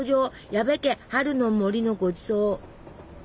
矢部家春の森のごちそう！